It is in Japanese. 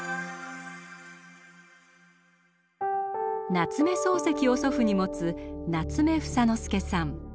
夏目漱石を祖父に持つ夏目房之介さん。